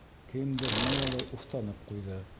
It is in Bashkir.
Кемдер ниңәлер уфтанып ҡуйҙы.